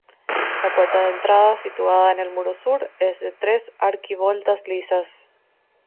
La puerta de entrada situada en el muro sur, es de tres arquivoltas lisas.